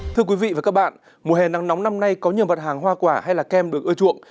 thưa quý vị và các bạn mùa hè nắng nóng năm nay có nhiều mặt hàng hoa quả hay là kem được ưa chuộng